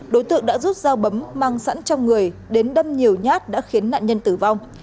đối tượng đã rút dao bấm mang sẵn trong người đến đâm nhiều nhát đã khiến nạn nhân tử vong